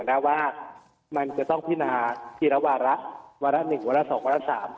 นะว่ามันจะต้องพินาทีละวาระวาระ๑วาระ๒วาระ๓